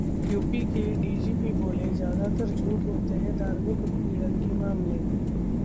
UP के DGP बोले- ज्यादातर झूठे होते हैं धार्मिक उत्पीड़न के मामले